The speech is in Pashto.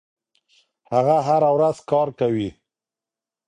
هغه هره ورځ کار کوي.